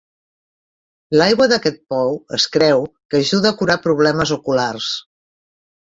L'aigua d'aquest pou es creu que ajuda a curar problemes oculars.